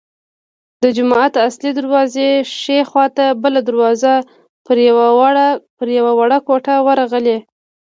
د جومات اصلي دروازې ښي خوا ته بله دروازه پر یوه وړه کوټه ورغلې.